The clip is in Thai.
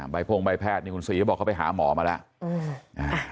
พ่งใบแพทย์นี่คุณซีก็บอกเขาไปหาหมอมาแล้ว